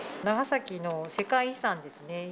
長崎の世界遺産ですね。